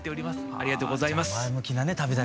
ありがとうございます。